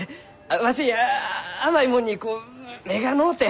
わし甘いもんにこう目がのうて！